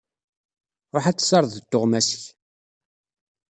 Ruḥ ad tessardeḍ tuɣmas-ik!